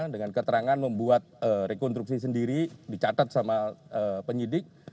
dengan keterangan membuat rekonstruksi sendiri dicatat sama penyidik